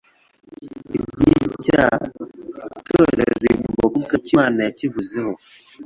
Iby'icyaha, itorero rigomba kuvuga icyo Imana yakivuzeho.